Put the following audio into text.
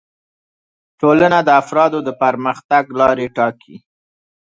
ټولنه د افرادو د پرمختګ لارې ټاکي